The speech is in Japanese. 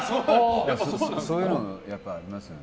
そういうのありますよね。